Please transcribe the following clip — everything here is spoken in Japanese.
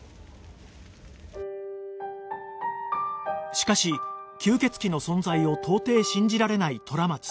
しかし吸血鬼の存在を到底信じられない虎松